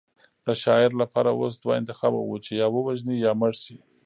د شاعر لپاره اوس دوه انتخابه وو چې یا ووژني یا مړ شي